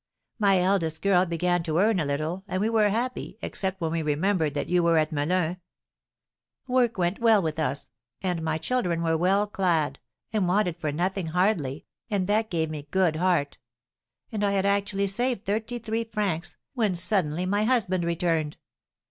My eldest girl began to earn a little, and we were happy, except when we remembered that you were at Melun. Work went well with us, and my children were well clad, and wanted for nothing hardly, and that gave me good heart; and I had actually saved thirty three francs, when suddenly my husband returned.